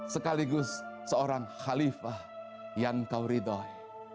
sekaligus seorang khalifah yang kau ridhoi